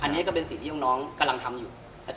อันนี้ก็เป็นสิ่งที่น้องกำลังทำอยู่